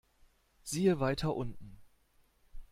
Siehe weiter unten.